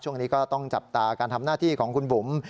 ช่วงนี้ก็ต้องจับตาการทำหน้าที่ของคุณบุ๋ม